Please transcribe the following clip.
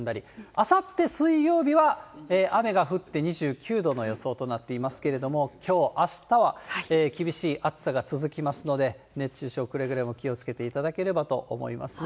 あさって水曜日は、雨が降って、２９度の予想となっていますけれども、きょう、あしたは厳しい暑さが続きますので、熱中症、くれぐれも気をつけていただければと思いますね。